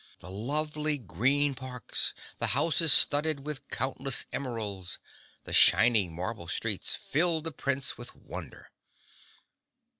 The lovely green parks, the houses studded with countless emeralds, the shining marble streets, filled the Prince with wonder.